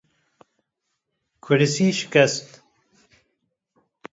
Kursî şikest